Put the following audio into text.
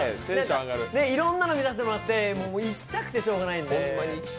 いろんなの見させてもらって行きたくてしようがないんで。